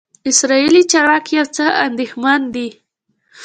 اسرائیلي چارواکي یو څه اندېښمن دي.